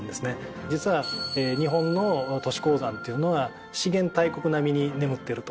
実は日本の都市鉱山っていうのは資源大国並みに眠ってると。